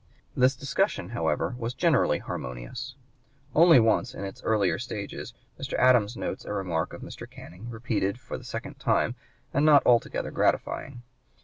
This discussion, however, was generally harmonious. Once only, in its earlier stages, Mr. Adams notes a remark of Mr. Canning, repeated for the second time, and not altogether gratifying.